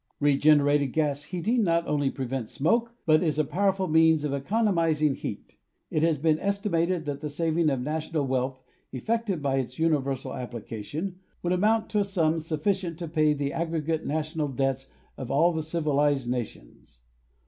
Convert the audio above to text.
Re generated gas heating not only prevents smoke, but is a powerful means of economizing heat. It has been esti mated that the saving of national wealth effected by its universal application would amount to a sum sufficient to xii INTRODUCTION pay the aggregate national debts of all the civilized nations.